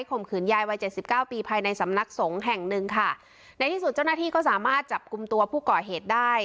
ขืนยายวัยเจ็ดสิบเก้าปีภายในสำนักสงฆ์แห่งหนึ่งค่ะในที่สุดเจ้าหน้าที่ก็สามารถจับกลุ่มตัวผู้ก่อเหตุได้